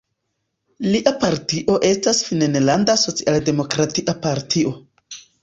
Lia partio estas Finnlanda socialdemokratia partio.